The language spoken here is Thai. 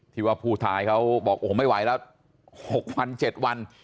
ที่ว่าผู้ตายเขาบอกโอ้โหไม่ไหวแล้ว๖วัน๗วัน